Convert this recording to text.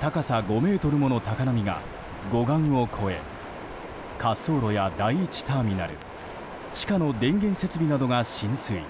高さ５ｍもの高波が護岸を越え滑走路や第１ターミナル地下の電源設備などが浸水。